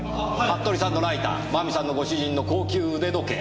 服部さんのライター真美さんのご主人の高級腕時計。